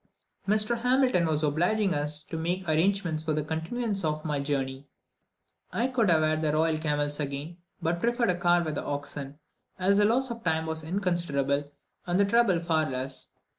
Mr. Hamilton was so obliging as to make the arrangements for the continuance of my journey. I could have had the royal camels again, but preferred a car with oxen, as the loss of time was inconsiderable, and the trouble far less.